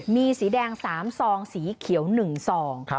มีสีแดง๓ซองสีเขียว๑ซอง